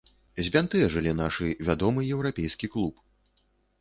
Збянтэжылі нашы вядомы еўрапейскі клуб.